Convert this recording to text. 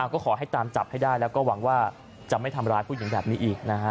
ก็ขอให้ตามจับให้ได้แล้วก็หวังว่าจะไม่ทำร้ายผู้หญิงแบบนี้อีกนะฮะ